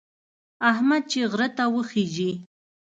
احمد چې غره ته وخېژي،